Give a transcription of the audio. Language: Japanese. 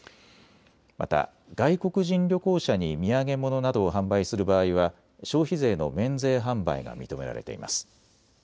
また外国人旅行者に土産物などを販売する場合は消費税の免税販売が認められています。